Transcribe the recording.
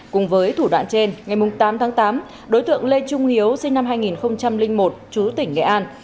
cùng với thủ đoạn trên ngày tám tháng tám đối tượng lê trung hiếu sinh năm hai nghìn một chú tỉnh nghệ an